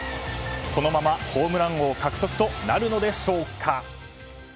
このままホームラン王獲得となるのでしょうか。